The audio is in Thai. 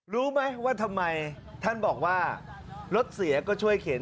รู้ไหมว่าทำไมท่านบอกว่ารถเสียก็ช่วยเข็น